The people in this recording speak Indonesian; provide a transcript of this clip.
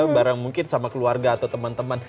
barang mungkin sama keluarga atau temen temen